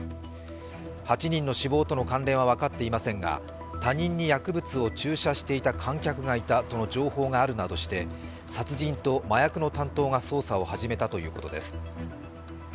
８人の死亡との関連は分かっていませんが他人に薬物を注射していた観客がいたとの情報があるなどとして殺人と麻薬の担当が捜査を始めたということです。